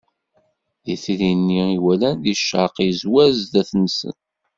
Itri-nni i walan di ccerq izwar zdat-nsen.